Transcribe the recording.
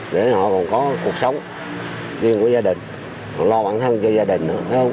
để họ còn có cuộc sống riêng của gia đình còn lo bản thân cho gia đình nữa